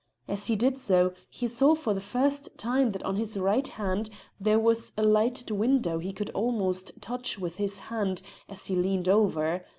As he did so, he saw for the first time that on his right there was a lighted window he could almost touch with his hand as he leaned over.